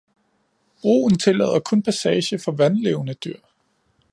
Broen tillader kun passage for vandlevende dyr.